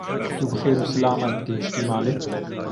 Tu bi xêr û silamet gihîştî malê?